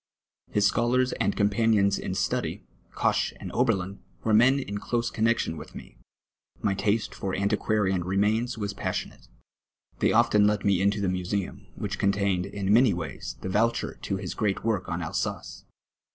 His scholars and companions in study, Koch and Oberlin, were men in close connexion M'ith me. My taste for anti quarian remains was passionate. They often let me into the museum, which contained, in many M ays, the vouchers to his great work on Alsace.